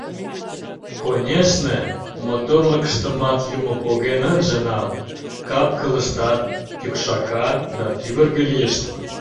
Конешне, моторлыкыштымат Юмо поген ынже нал, кап-кылыштат кӱкшака да тӱвыргӧ лийышт.